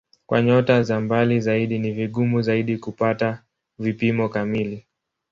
Kwa nyota za mbali zaidi ni vigumu zaidi kupata vipimo kamili.